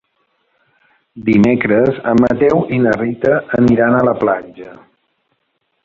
Dimecres en Mateu i na Rita aniran a la platja.